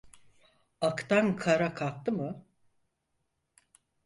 Aktan kara kalktı mı.